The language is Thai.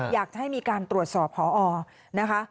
อยากจะให้มีการตรวจสอบพอนะคะ